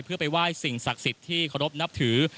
เพื่อไปไหว้สิ่งศักดิ์สิทธิ์ที่เคารพนับถือ